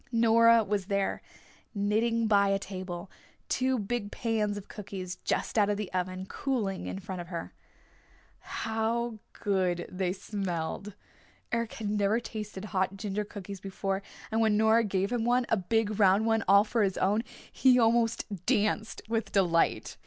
Nora was there knitting by a table, two big pans of cookies just out of the oven cooling in front of her. How good they smelled! Eric had never tasted hot ginger cookies before, and when Nora gave him one, a big round one all for his own, he almost danced with delight.